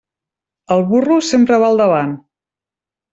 El burro sempre va al davant.